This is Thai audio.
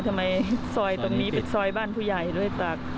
ทำไมซอยตรงนี้เป็นซอยบ้านผู้ใหญ่ด้วยจาก